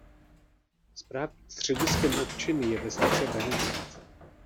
Správním střediskem občiny je vesnice Benedikt.